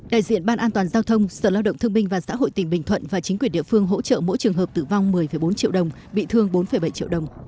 đại diện ban an toàn giao thông sở lao động thương binh và xã hội tỉnh bình thuận và chính quyền địa phương hỗ trợ mỗi trường hợp tử vong một mươi bốn triệu đồng bị thương bốn bảy triệu đồng